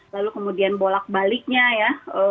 lalu kemudian bolak baliknya ya